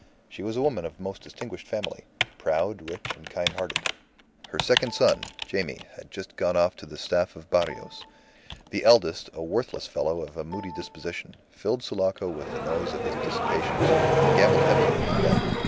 She was a woman of most distinguished family, proud, rich, and kind hearted. Her second son, Jaime, had just gone off on the Staff of Barrios. The eldest, a worthless fellow of a moody disposition, filled Sulaco with the noise of his dissipations, and gambled heavily at the club.